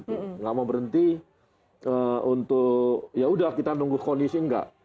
tidak mau berhenti untuk ya sudah kita tunggu kondisi tidak